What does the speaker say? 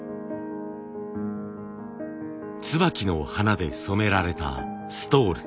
椿の花で染められたストール。